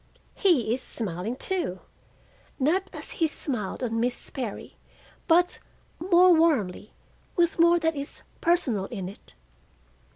He is smiling, too, not as he smiled on Miss Sperry, but more warmly, with more that is personal in it.